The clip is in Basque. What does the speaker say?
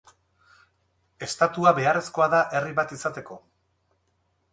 Estatua beharrezkoa da herri bat izateko?